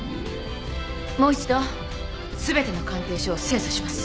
もう一度全ての鑑定書を精査します。